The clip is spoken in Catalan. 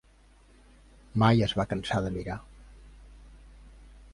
Mai es va cansar de mirar.